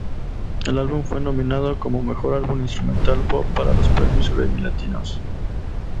El álbum fue nominado como Mejor Álbum Instrumental Pop para los Premios Grammy Latinos.